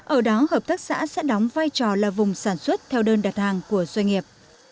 ở đó hợp tác xã sẽ đóng vai trò là vùng sản xuất theo đơn đặt hàng của doanh nghiệp